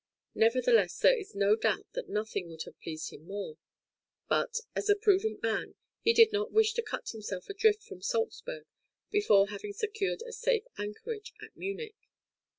Nevertheless, there is no doubt that nothing would have pleased him more; but, as a prudent man, he did not wish to cut himself adrift from Salzburg before having secured a safe anchorage at Munich.